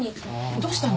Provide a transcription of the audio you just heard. どうしたの？